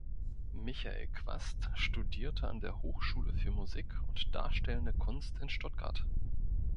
Michael Quast studierte an der Hochschule für Musik und Darstellende Kunst in Stuttgart.